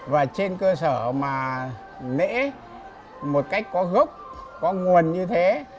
và trên cơ sở mà nễ một cách có gốc có nguồn như thế